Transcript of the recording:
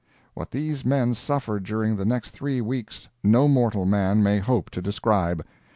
What these men suffered during the next three weeks no mortal man may hope to describe.